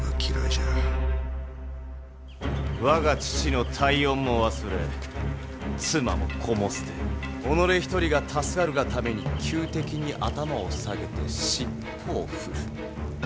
我が父の大恩も忘れ妻も子も捨て己一人が助かるがために仇敵に頭を下げて尻尾を振るハッ。